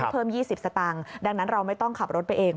เพิ่ม๒๐สตางค์ดังนั้นเราไม่ต้องขับรถไปเอง